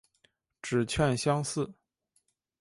指券相似。